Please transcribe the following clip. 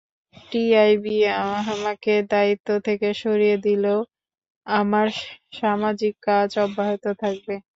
TIB আমাকে দায়িত্ব থেকে সরিয়ে দিলেও আমার সামাজিক কাজ অব্যাহত থাকবে।